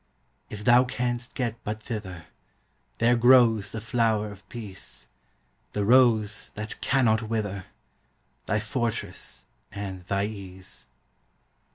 If thou canst get but thither, There grows the flower of peace The rose that cannot wither Thy fortress, and thy ease.